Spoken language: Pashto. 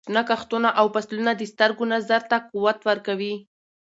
شنه کښتونه او فصلونه د سترګو نظر ته قوت ورکوي.